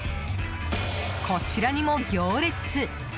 こちらにも行列。